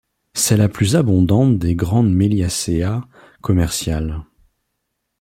C’est la plus abondante des grandes Meliaceae commerciales.